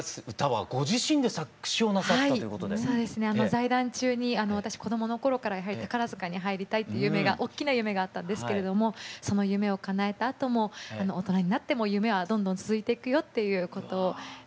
在団中に私子供のころから宝塚に入りたいって夢がおっきな夢があったんですけれどもその夢をかなえたあとも大人になっても夢はどんどん続いていくよっていうことを込めて作詞しました。